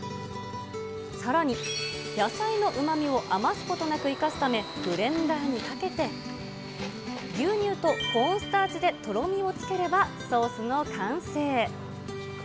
さらに、野菜のうまみを余すことなく生かすため、ブレンダーにかけて、牛乳とコーンスターチでとろみをつければソースの完成。